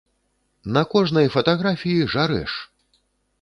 На кожнай фатаграфіі жарэш!